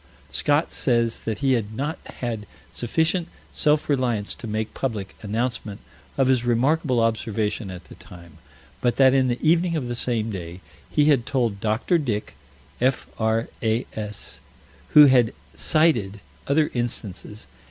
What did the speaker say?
Scott says that he had not had sufficient self reliance to make public announcement of his remarkable observation at the time, but that, in the evening of the same day, he had told Dr. Dick, F.R.A.S., who had cited other instances.